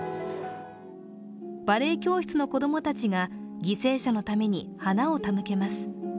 バレエ教室の子供たちが犠牲者のために花を手向けます。